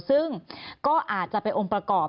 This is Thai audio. ซึ่งก็อาจจะเป็นองค์ประกอบ